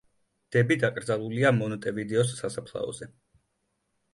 დები დაკრძალულია მონტევიდეოს სასაფლაოზე.